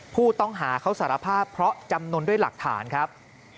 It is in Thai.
ผู้ต้องหาเขาสารภาพเพราะจำนวนด้วยหลักฐานครับ